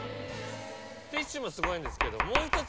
ティッシュもすごいんですけど。